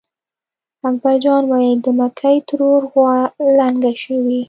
اکبر جان وېل: د مکۍ ترور غوا لنګه شوې.